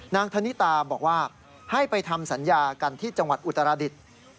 ธนิตาบอกว่าให้ไปทำสัญญากันที่จังหวัดอุตรดิษฐ์